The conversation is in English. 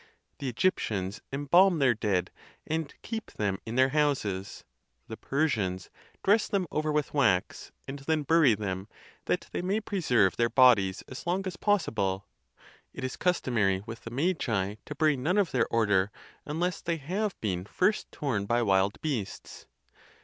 The Egyptians em balm their dead, and keep them in their houses; the Per sians dress them over with wax, and then bury them, that they may preserve their bodies as long as possible. It is customary with the Magi to bury none of their order, un less they have been first torn by wild beasts.